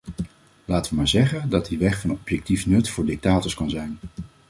Laten we maar zeggen dat die weg van objectief nut voor dictators kan zijn.